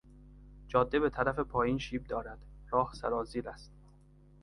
جاده به طرف پایین شیب دارد، راه سرازیر است.